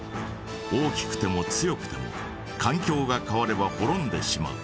大きくても強くてもかん境が変わればほろんでしまう。